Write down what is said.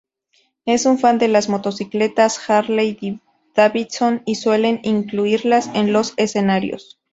Es un fan de las motocicletas Harley-Davidson, y suele incluirlas en los escenarios.